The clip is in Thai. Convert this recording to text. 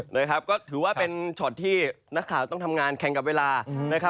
นะครับก็ถือว่าเป็นช็อตที่นักข่าวต้องทำงานแข่งกับเวลานะครับ